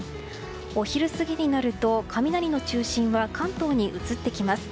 お昼過ぎになると雷の中心は関東に移ってきます。